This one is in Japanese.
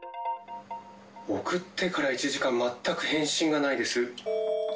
送ってから１時間、全く返信がないです。